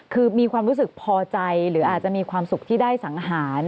คือมีความรู้สึกพอใจหรืออาจจะมีความสุขที่ได้สังหาร